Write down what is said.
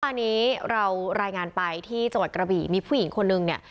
วันนี้เรารายงานไปที่จังหวัดกระบี่มีผู้หญิงคนนึงเนี่ย